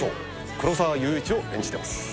黒澤祐一を演じてます